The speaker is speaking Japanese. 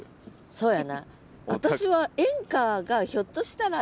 そうやな。